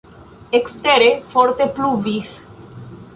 Ekstere forte pluvis.